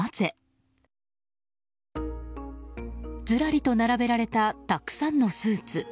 ずらりと並べられたたくさんのスーツ。